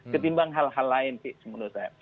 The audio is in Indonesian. ketimbang hal hal lain sih menurut saya